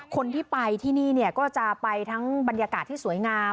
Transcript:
คนที่ไปที่นี่เนี่ยก็จะไปทั้งบรรยากาศที่สวยงาม